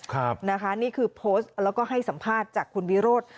นี่คือโพสต์แล้วก็ให้สัมภาษณ์จากคุณวิโรธ